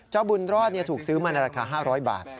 บุญรอดถูกซื้อมาในราคา๕๐๐บาท